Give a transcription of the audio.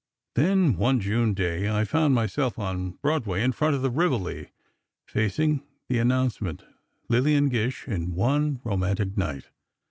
Then, one June day, I found myself on Broadway in front of the Rivoli, facing the announcement: LILLIAN GISH IN ONE ROMANTIC NIGHT.